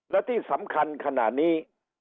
และที่สำคัญขณะนี้